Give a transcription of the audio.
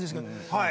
はい。